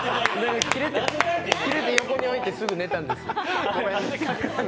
切れて横に置いてすぐ寝たんです。